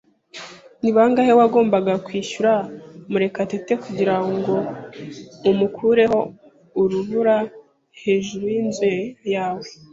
Ni bangahe wagombaga kwishyura Murekatete kugirango amukureho urubura hejuru yinzu yawe?